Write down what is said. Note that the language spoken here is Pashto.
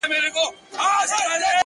• چي لا به نوري څه کانې کیږي,